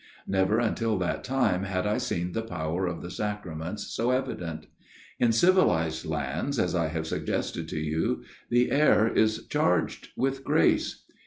Never until that time had I seen the power of the Sacra Jments so evident. In civilized lands, as I have (suggested to you, the air is charged with grace.